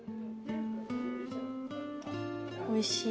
おいしい。